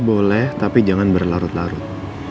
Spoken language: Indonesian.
boleh tapi jangan berlarut larut